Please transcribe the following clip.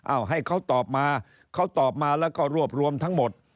เอาให้เขาตอบมาเขาตอบมาแล้วก็รวบรวมทั้งหมด